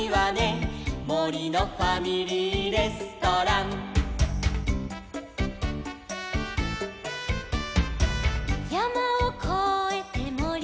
「もりのファミリーレストラン」「やまをこえてもりのおく」